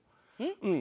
うん？